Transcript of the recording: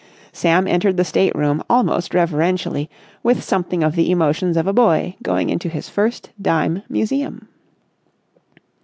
Sam entered the state room almost reverentially, with something of the emotions of a boy going into his first dime museum.